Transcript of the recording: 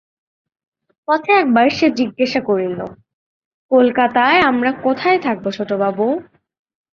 পথে একবার সে জিজ্ঞাসা করিল, কলকাতায় আমরা কোথায় থাকব ছোটবাবু?